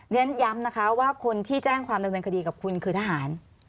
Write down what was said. เพราะฉะนั้นย้ำว่าคนที่แจ้งความเดินตัวคดีกับคุณคือทหาร